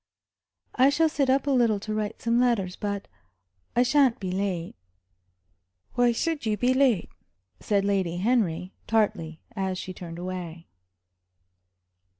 "I shall sit up a little to write some letters. But I sha'n't be late." "Why should you be late?" said Lady Henry, tartly, as she turned away.